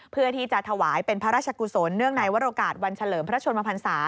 เพื่อที่จะถวายเป็นพระราชกุศลเนื่องในวรโอกาสวันเฉลิมพระชนมพันศา